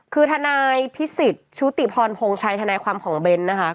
คือทนายพิสิทธิ์ชุติพรพงชัยทนายความของเบ้นนะคะ